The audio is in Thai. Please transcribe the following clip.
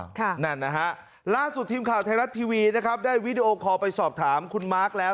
ค่ะนั่นนะฮะล่าสุดทีมข่าวไทยรัฐทีวีนะครับได้วิดีโอคอลไปสอบถามคุณมาร์คแล้ว